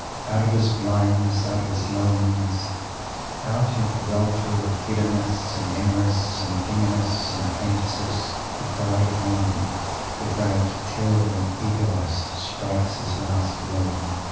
Out of his blindness, out of his loneliness, out of the welter of hedonists and amorists and feminists and fantasists who crowded upon him, the great, terrible egoist strikes his last blow!